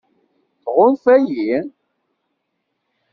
Tɣunfam-iyi?